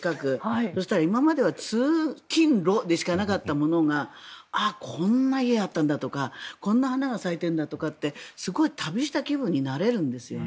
そしたら、今までは通勤路でしかなかったものがああ、こんな家あったんだとかこんな花が咲いてるんだとかすごい旅した気分になれるんですよね。